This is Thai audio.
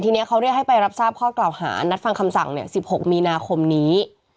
ทีนี้เขาเรียกให้ไปรับทราบข้อกล่าวหานัดฟังคำสั่ง๑๖มีนาคมนี้